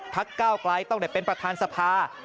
ก้าวไกลต้องได้เป็นประธานสภา